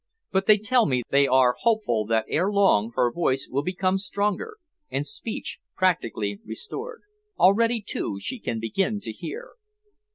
But they tell me they are hopeful that ere long her voice will become stronger, and speech practically restored. Already, too, she can begin to hear.